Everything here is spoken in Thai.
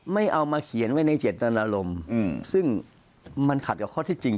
ไม่เอามาเขียนไว้ในเจตนารมณ์ซึ่งมันขัดกับข้อที่จริง